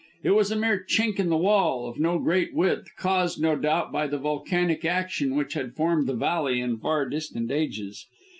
It was a mere chink in the wall, of no great width, caused, no doubt, by the volcanic action which had formed the valley in far distant ages.